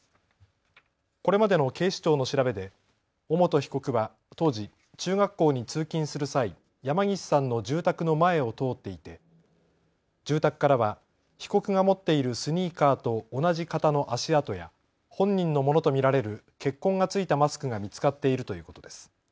これまでの警視庁の調べで尾本被告は当時、中学校に通勤する際、山岸さんの住宅の前を通っていて住宅からは被告が持っているスニーカーと同じ型の足跡や本人のものと見られる血痕が付いたマスクが見つかっているということです。